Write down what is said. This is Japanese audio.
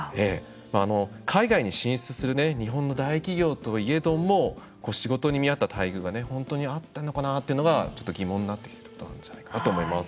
海外に進出する日本の大企業といえども仕事に見合った待遇が本当にあったのかなというのがちょっと疑問なんじゃないかなと思います。